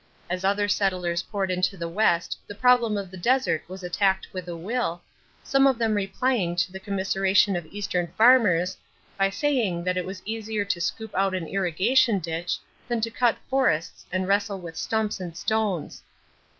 As other settlers poured into the West the problem of the desert was attacked with a will, some of them replying to the commiseration of Eastern farmers by saying that it was easier to scoop out an irrigation ditch than to cut forests and wrestle with stumps and stones.